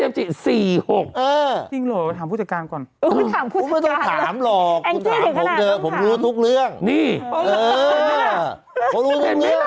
คุณต่างกันกันบางครูไม่ฟังหลอกทุกเรื่องนี้นี้